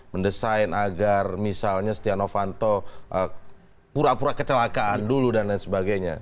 mendesain agar misalnya setia novanto pura pura kecelakaan dulu dan lain sebagainya